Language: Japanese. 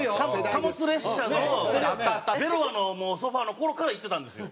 貨物列車のベロアのソファの頃から行ってたんですよ。